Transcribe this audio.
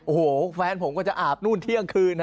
โอ้โหแฟนผมก็จะอาบนู่นเที่ยงคืน